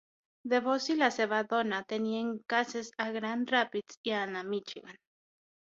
DeVos y la seva dona tenien cases a Grand Rapids i Ada, Michigan.